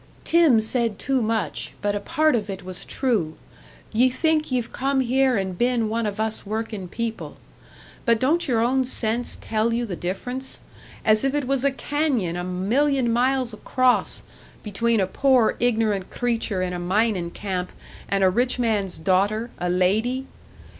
"Tim said too much but a part of it was true. Ye think ye've come here and been one of us workin' people. But don't your own sense tell you the difference, as if it was a canyon a million miles across between a poor ignorant creature in a minin' camp, and a rich man's daughter, a lady?